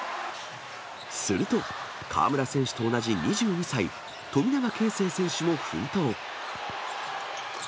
すると、河村選手と同じ２２歳、富永啓生選手も奮闘。